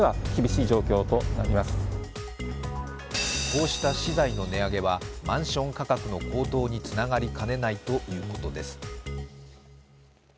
こうした資材の値上げはマンション価格の高騰につながりかねないということです。